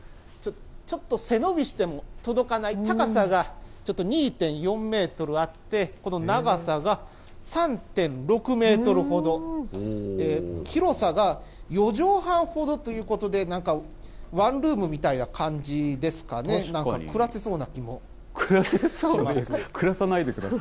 ちょっと背伸びしても届かない、高さがちょっと２．４メートルあって、長さが３．６メートルほど、広さが４畳半ほどということで、なんか、ワンルームみたいな感じですかね、なんか暮らせそうな気もします。